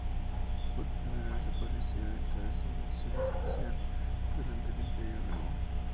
Por primera vez apareció esta designación especial durante el Imperio Nuevo.